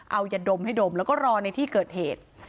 เอายาดมให้ดมแล้วก็รอในที่เกิดเหตุ